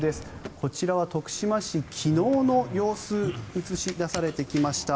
こちらは徳島市昨日の様子が映し出されてきました。